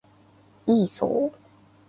イーソー